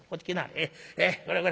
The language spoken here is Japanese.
えこれこれ。